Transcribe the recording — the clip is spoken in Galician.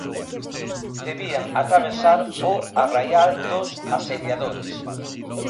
Debían atravesar o arraial dos asediadores.